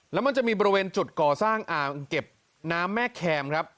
แล้วมันจะมีบริเวณจุดก่อสร้างอ่างเก็บน้ำแม่แคมครับ